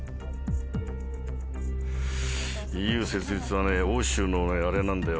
ＥＵ設立は欧州のあれなんだよ。